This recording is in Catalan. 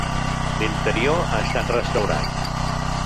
L'interior ha estat restaurat.